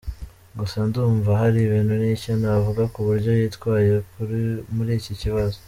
Gusa ndumva hari nicyo navuga kuburyo yitwaye muri iki kibazo;.